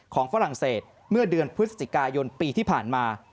ฝรั่งเศสเมื่อเดือนพฤศจิกายนปีที่ผ่านมา